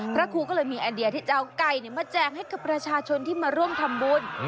พระครูก็เลยมีไอเดียที่จะเอาไก่มาแจกให้กับประชาชนที่มาร่วมทำบุญ